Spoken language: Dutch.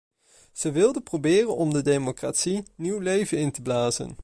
Ze wilden proberen om de democratie nieuw leven in te blazen.